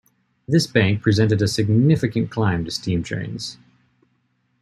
This bank presented a significant climb to steam trains.